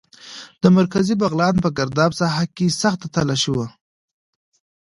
د مرکزي بغلان په ګرداب ساحه کې سخته تالاشي وه.